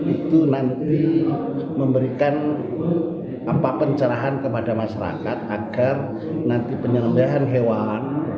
itu nanti memberikan pencerahan kepada masyarakat agar nanti penyelembahan hewan